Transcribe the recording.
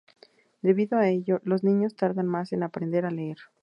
Debido a ello, los niños tardan más en aprender a leer.